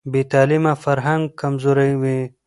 بې تعلیمه فرهنګ کمزوری وي.